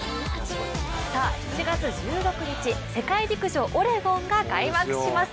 ７月１６日、世界陸上オレゴンが開幕します。